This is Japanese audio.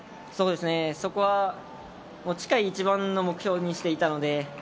そこは近い一番の目標にしていました。